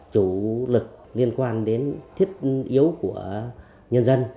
chủ lực liên quan đến thiết yếu của nhân dân